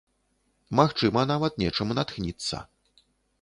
Магчыма, нават нечым натхніцца.